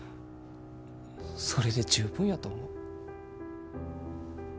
それで十分やと思う。